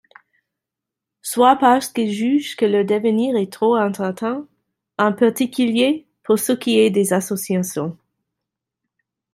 Soit parce qu’ils jugent que leur devenir est trop incertain, en particulier pour ce qui est des associations.